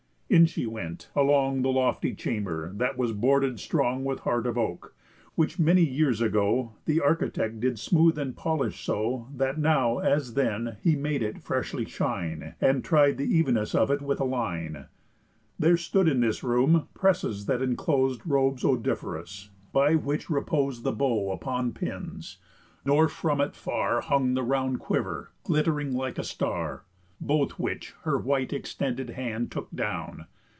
In she went, along The lofty chamber, that was boarded strong With heart of oak, which many years ago The architect did smooth and polish so That now as then he made it freshly shine, And tried the evenness of it with a line. There stood in this room presses that enclos'd Robes odoriferous, by which repos'd The bow was upon pins; nor from it far Hung the round quiver glitt'ring like a star; Both which her white extended hand took down.